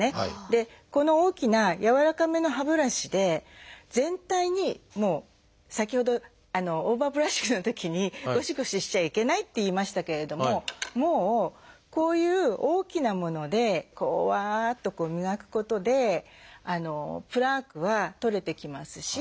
この大きなやわらかめの歯ブラシで全体に先ほどオーバーブラッシングのときにゴシゴシしちゃいけないって言いましたけれどもこういう大きなものでわっと磨くことでプラークは取れてきますし。